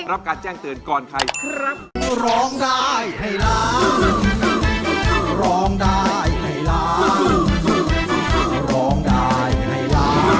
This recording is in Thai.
รับการแจ้งเตือนก่อนใครครับ